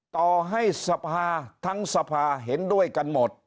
ต่อให้สภาทั้งสภาเห็นด้วยกันหมด